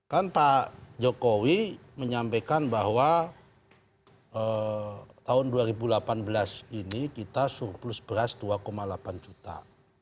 kan pak jokowi menyampaikan bahwa tahun dua ribu delapan belas ini kita surplus beras dua delapan juta